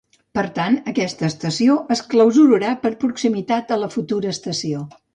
Per tant, aquesta estació es clausurarà per proximitat a la futura estació.